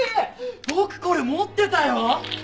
僕これ持ってたよ！